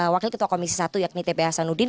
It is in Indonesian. wakil ketua komisi satu yakni tph sanudin